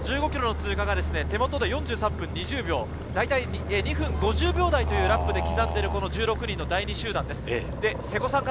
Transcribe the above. １５ｋｍの通過が手元で４３分２０秒、大体２分５０秒台というラップで刻んでいる１６人の第２集団です。